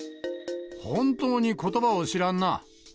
本当にことばを知らんな。